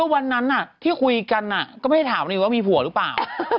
วันนั้นที่คุยกันก็ไม่ได้ถามอีกว่ามีผัวหรือเปล่า